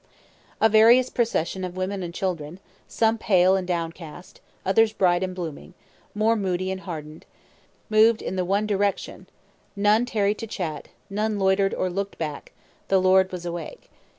A various procession of women and children some pale and downcast, others bright and blooming, more moody and hardened moved in the one direction; none tarried to chat, none loitered or looked back; the lord was awake.